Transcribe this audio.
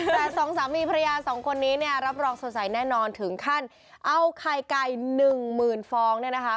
แต่สองสามีภรรยาสองคนนี้เนี่ยรับรองสดใสแน่นอนถึงขั้นเอาไข่ไก่หนึ่งหมื่นฟองเนี่ยนะคะ